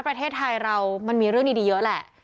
ประเทศไทยเรามันมีเรื่องดีเยอะแหละ